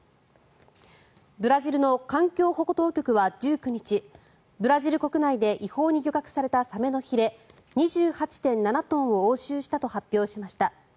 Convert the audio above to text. ブラジルの環境保護当局は１９日ブラジル国内で違法に漁獲されたサメのひれ２８．７トンを押収したと発表しました。